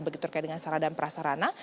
begitu seperti dengan saradan prasarana